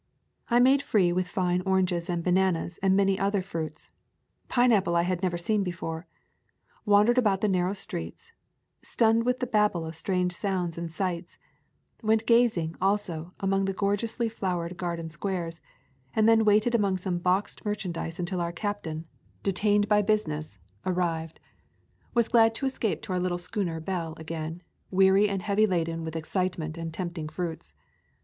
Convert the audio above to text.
I made free with fine oranges and bananas and many other fruits. Pineapple I had never seen before. Wandered about the narrow streets, stunned with the babel of strange sounds and sights; went gazing, also, among the gorgeously flowered garden squates, and then waited among some boxed mer chandise until our captain, detained by busi 1 Doubtless January 12, 1868. [ 149 ] A Thousand Mile Wal ness, arrived. Was glad to escape to our little schooner Belle again, weary and heavy laden with excitement and tempting fruits.